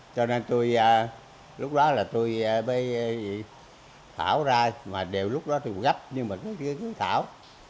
cho nên tôi lúc đó là tôi bây thảo ra mà đều lúc đó tôi gấp nhưng mà cứ thảo